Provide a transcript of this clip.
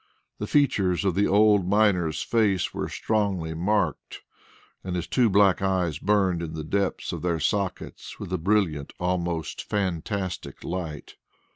The features of the old miner's face were strongly marked, and his two black eyes burned in the depths of their sockets with a brilliant, almost fantastic light.